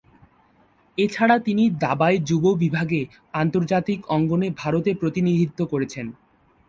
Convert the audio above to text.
এছাড়া তিনি দাবায় যুব বিভাগে আন্তর্জাতিক অঙ্গনে ভারতে প্রতিনিধিত্ব করেছেন।